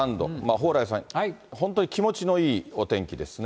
蓬莱さん、本当に気持ちのいいお天気ですね。